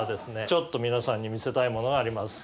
ちょっと皆さんに見せたいものがあります。